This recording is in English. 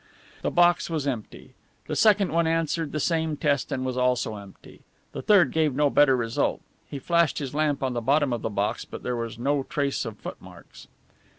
The box was empty. The second one answered the same test and was also empty. The third gave no better result. He flashed his lamp on the bottom of the box, but there was no trace of footmarks.